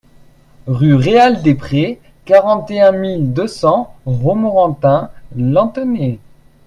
Rue Réal des Prés, quarante et un mille deux cents Romorantin-Lanthenay